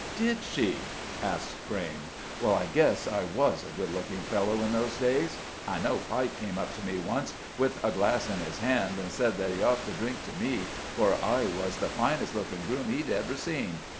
"Did she?" asked Crayme. "Well, I guess I was a good looking fellow in those days; I know Pike came up to me once, with a glass in his hand, and said that he ought to drink to me, for I was the finest looking groom he'd ever seen.